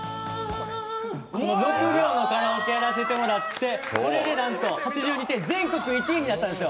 ６秒のカラオケやらせてもらってこれでなんと８２点、全国１位になったんですよ。